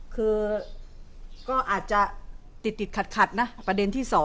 คือก็อาจจะติดขัดนะประเด็นที่๒